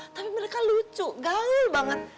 tapi mereka lucu gaul banget